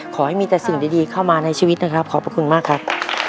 ขอให้มีแต่สิ่งดีเข้ามาในชีวิตนะครับขอบพระคุณมากครับ